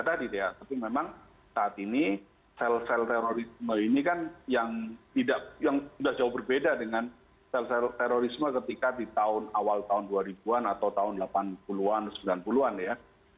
tapi memang saat ini sel sel terorisme ini kan yang sudah jauh berbeda dengan sel sel terorisme ketika di tahun awal tahun dua ribu an atau tahun delapan puluh an sembilan puluh an ya